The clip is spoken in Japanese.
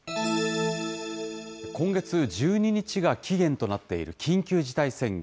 今月１２日が期限となっている緊急事態宣言。